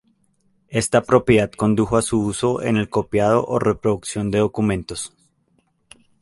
Esta propiedad condujo a su uso en el copiado o reproducción de documentos.